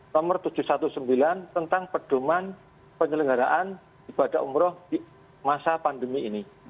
nomor tujuh ratus sembilan belas tentang pedoman penyelenggaraan ibadah umroh di masa pandemi ini